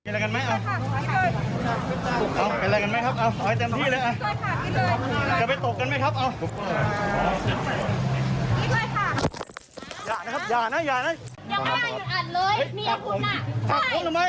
ต่างคนต่างรบเถอะครับ